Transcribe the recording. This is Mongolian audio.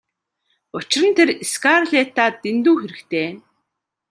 Учир нь тэр Скарлеттад дэндүү хэрэгтэй.